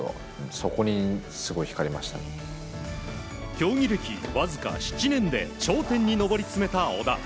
競技歴わずか７年で頂点に上り詰めた小田。